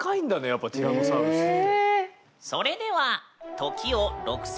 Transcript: やっぱティラノサウルスって。